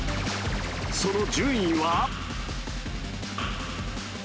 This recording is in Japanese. その順位は？